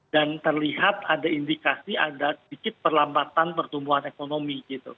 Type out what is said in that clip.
dan terlihat ada indikasi ada sedikit perlambatan pertumbuhan ekonomi gitu